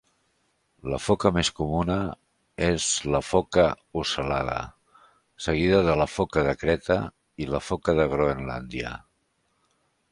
La foca més comuna és la foca ocel·lada, seguida de la foca de creta i la foca de Groenlàndia.